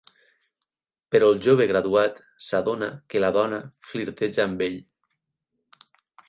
Però el jove graduat s'adona que la dona flirteja amb ell.